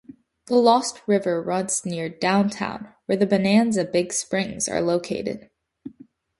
The Lost River runs near downtown where the Bonanza Big Springs are located.